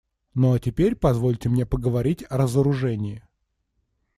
Ну а теперь позвольте мне поговорить о разоружении.